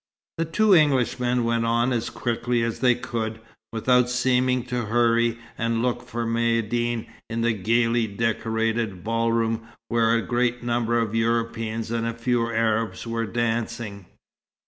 The two Englishmen went on as quickly as they could, without seeming to hurry, and looked for Maïeddine in the gaily decorated ball room where a great number of Europeans and a few Arabs were dancing.